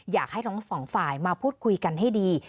อยากให้ทั้งสองฝ่ายมาพูดคุยกันให้ดี